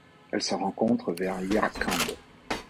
Elle se rencontre vers Yarkand.